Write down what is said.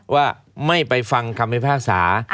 ว่าไม่ไปฟังคำพิพากษา